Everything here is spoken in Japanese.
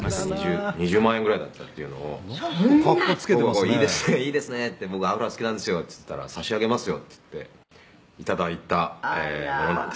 「僕が“いいですね”って“僕アロハ好きなんですよ”って言っていたら“差し上げますよ”っていって頂いたものなんです」